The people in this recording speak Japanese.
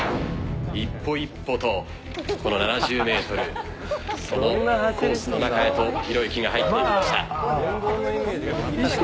一歩一歩と７０ｍ、コースの中へひろゆきが入っていきました。